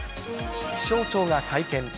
気象庁が会見。